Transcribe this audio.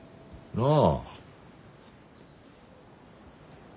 なあ。